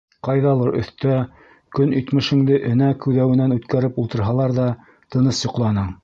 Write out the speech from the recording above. Ҡайҙалыр өҫтә көнитмешеңде энә күҙәүенән үткәреп ултырһалар ҙа, тыныс йоҡланың.